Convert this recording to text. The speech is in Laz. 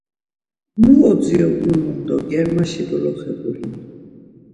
Mu odziru unon do germaşi doloxe gulun?